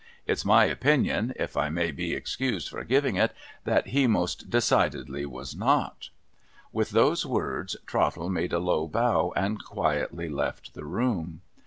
It's my opinion — if I may be excused for giving it — that he most decidedly was not.' AVith those words, Trottle made a low bow, and quietly left the room.